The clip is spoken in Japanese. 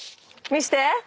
見せて。